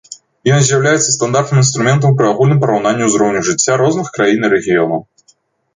Ён з'яўляецца стандартным інструментам пры агульным параўнанні ўзроўню жыцця розных краін і рэгіёнаў.